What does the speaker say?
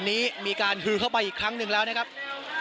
แล้วก็มีการอ้างว่ามีผู้ถูกยิงด้วยตอนนี้เหมือนจะนำผู้บาดเจ็บออกมาอีกแล้วนะครับ